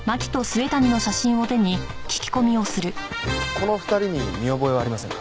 この２人に見覚えはありませんか？